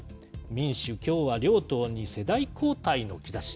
民主、共和両党に世代交代の兆し。